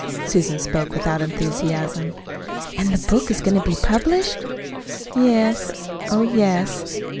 Susan spoke without enthusiasm. "And the book is going to be published?" "Yes, oh, yes."